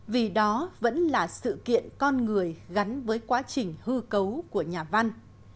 vì đó vẫn là sự kiện con người gắn với quá trình hư cấu của nhà văn